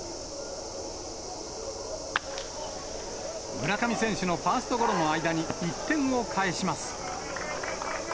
村上選手のファーストゴロの間に、１点を返します。